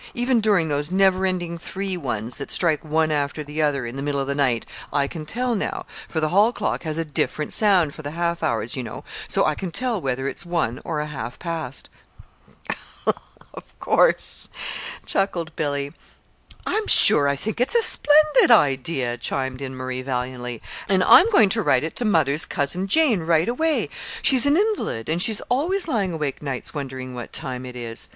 Even during those never ending three ones that strike one after the other in the middle of the night, I can tell now, for the hall clock has a different sound for the half hours, you know, so I can tell whether it's one or a half past." "Of course," chuckled Billy. "I'm sure I think it's a splendid idea," chimed in Marie, valiantly; "and I'm going to write it to mother's Cousin Jane right away. She's an invalid, and she's always lying awake nights wondering what time it is.